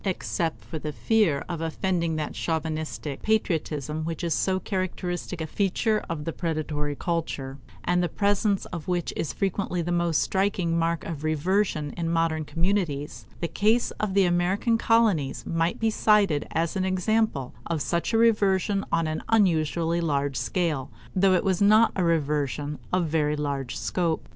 Except for the fear of offending that chauvinistic patriotism which is so characteristic a feature of the predatory culture, and the presence of which is frequently the most striking mark of reversion in modern communities, the case of the American colonies might be cited as an example of such a reversion on an unusually large scale, though it was not a reversion of very large scope.